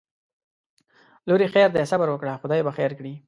لورې خیر دی صبر وکړه خدای به خیر کړي